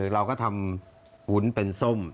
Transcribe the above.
เราก็ทำวุ้นเป็นส้ม